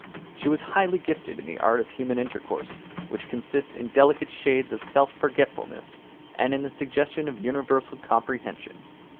She was highly gifted in the art of human intercourse which consists in delicate shades of self forgetfulness and in the suggestion of universal comprehension.